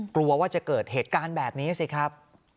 กลัวว่าจะเกิดเหตุการณ์แบบนี้สิครับ